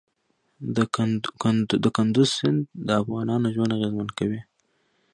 کندز سیند د افغانانو ژوند اغېزمن کوي.